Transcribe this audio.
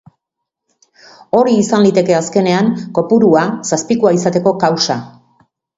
Hori izan liteke azkenean kopurua zazpikoa izateko kausa.